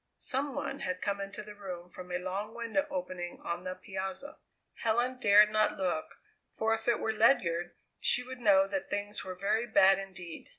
Some one had come into the room from a long window opening on the piazza. Helen dared not look, for if it were Ledyard she would know that things were very bad indeed.